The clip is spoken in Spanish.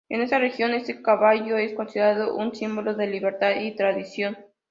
En esta región este caballo es considerado un símbolo de libertad y tradición.